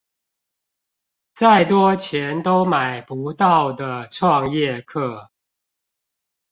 再多錢都買不到的創業課